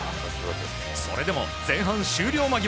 それでも、前半終了間際。